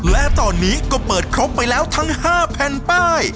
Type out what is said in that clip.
และตอนนี้ก็เปิดครบไปแล้วทั้ง๕แผ่นป้าย